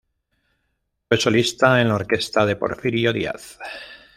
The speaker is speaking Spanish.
Fue solista en la orquesta de Porfirio Díaz.